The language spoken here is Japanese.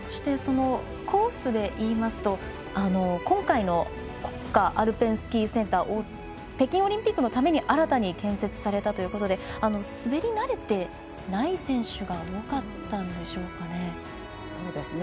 コースでいいますと今回の国家アルペンスキーセンター北京オリンピックのために新たに建設されたということで滑り慣れてない選手が多かったんでしょうかね。